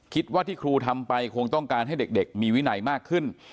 คิดว่าที่ครูทำไปคงต้องการให้เด็กมีวินัยมากขึ้น